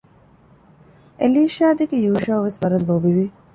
އެލީޝާދެކެ ޔޫޝައުވެސް ވަރަށް ލޯބިވި